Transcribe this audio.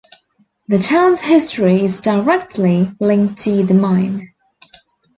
The town's history is directly linked to the mine.